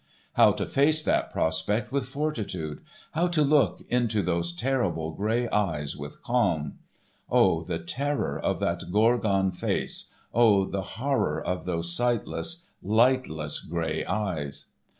How to face that prospect with fortitude! How to look into those terrible grey eyes with calm! Oh, the terror of that gorgon face, oh, the horror of those sightless, lightless grey eyes!